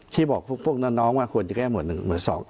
พี่บอกพวกน้องว่าควรจะแก้หมวดหนึ่งหมวดสอง